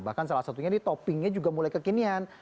bahkan salah satunya nih toppingnya juga mulai kekinian